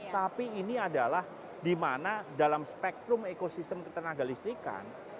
tapi ini adalah di mana dalam spektrum ekosistem ketenaga listrikan